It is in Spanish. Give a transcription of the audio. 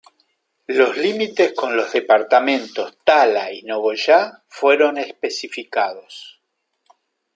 Los límites con los departamentos Tala y Nogoyá fueron especificados.